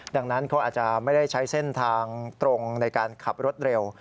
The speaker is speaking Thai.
ดังนั้นเขาอาจจะไม่ได้ใช้เส้นทางตรงในการขับรถเร็ว